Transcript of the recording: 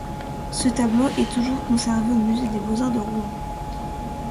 Ce tableau est toujours conservé au Musée des Beaux-Arts de Rouen.